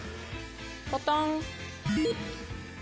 ポトン。